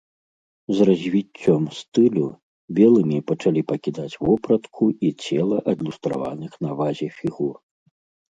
З развіццём стылю белымі пачалі пакідаць вопратку і цела адлюстраваных на вазе фігур.